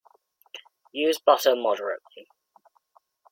Use butter moderately.